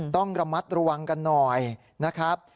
ต้องระมัดระวังกันหน่อยนะครับ